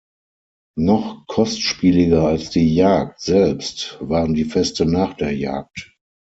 Noch kostspieliger als die Jagd selbst waren die Feste nach der Jagd.